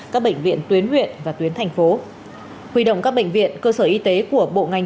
các bệnh viện tuyến huyện và tuyến thành phố huy động các bệnh viện cơ sở y tế của bộ ngành